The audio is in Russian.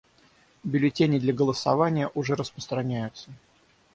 Бюллетени для голосования уже распространяются.